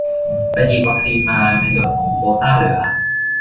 ไปฉีดวัคซีนมา ในส่วนของโควต้าเหลือ